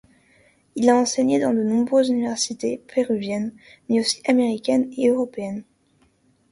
Il a enseigné dans de nombreuses universités péruviennes, mais aussi américaines et européennes.